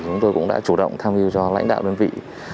chúng tôi cũng đã chủ động tham hiu cho lãnh đạo đơn vị